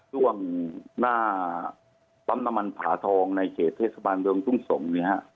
ช่วงหน้าปั๊มน้ำมันผาทองในเขตเทศบาลเมืองทุ่งสงศ์เนี่ยฮะ